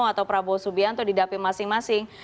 atau prabowo subianto di dapil masing masing